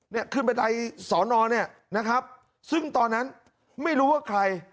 เนี่ยขึ้นไปในสอนอเนี่ยนะครับซึ่งตอนนั้นไม่รู้ว่าใคร